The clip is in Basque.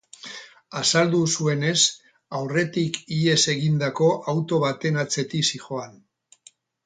Azaldu zuenez, aurretik ihes egindako auto baten atzetik zihoan.